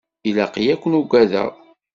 Ilaq-iyi ad ken-agadeɣ?